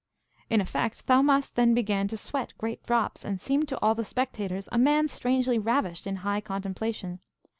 In effect, Thaumast then began to sweat great drops, and seemed to all the spectators a man strangely ravished in high contemplation.